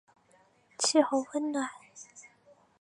气候温暖。